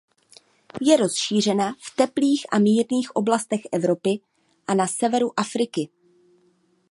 Je rozšířena v teplých a mírných oblastech Evropy a na severu Afriky.